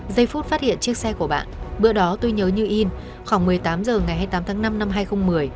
giây phút phát hiện chiếc xe của bạn bữa đó tuy nhớ như in khoảng một mươi tám h ngày hai mươi tám tháng năm năm hai nghìn một mươi